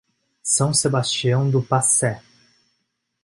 São Sebastião do Passé